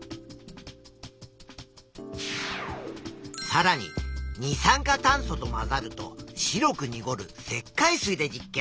さらに二酸化炭素と混ざると白くにごる石灰水で実験。